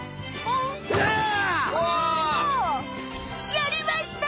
やりました！